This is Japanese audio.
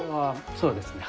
そうですね。